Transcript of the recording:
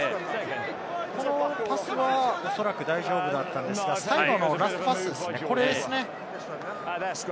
このパスはおそらく大丈夫だったんですが、最後のラストパスですね、これですね。